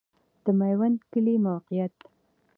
د میوند کلی موقعیت